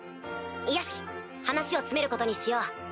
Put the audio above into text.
よし話を詰めることにしよう。